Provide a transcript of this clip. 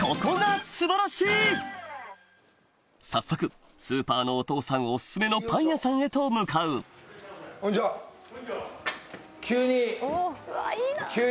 早速スーパーのお父さんお薦めのパン屋さんへと向かう蔵なんですね。